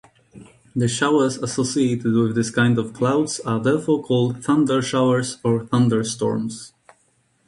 The showers associated with this kind of clouds are therefore called "thundershowers" or "thunderstorms".